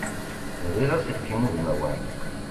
Bɣiɣ aselkim udmawan.